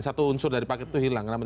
satu unsur dari paket itu hilang